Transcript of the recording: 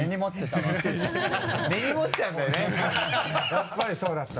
やっぱりそうだった。